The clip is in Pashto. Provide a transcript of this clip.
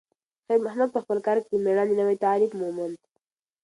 خیر محمد په خپل کار کې د میړانې نوی تعریف وموند.